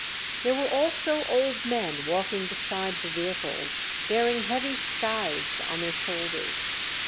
There were also old men walking beside the vehicles, bearing heavy scythes on their shoulders.